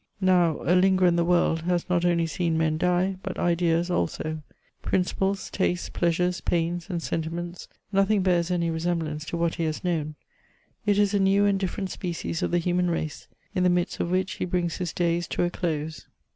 Now, « Hngerer in the world has not only seen men die, but ideas also ; principles, tastes, pleasures, pains, and sentiments; nothing bears any resemblance to what he has known. It is a new and different species of the human race, in ihe midst of which he brings his days to a close.